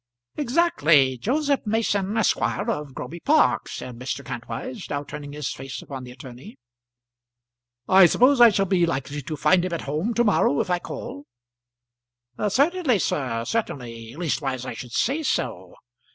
"Exactly. Joseph Mason, Esq., of Groby Park," said Mr. Kantwise, now turning his face upon the attorney. "I suppose I shall be likely to find him at home to morrow, if I call?" "Certainly, sir; certainly; leastwise I should say so.